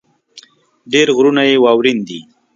ډېر غرونه يې واؤرين دي ـ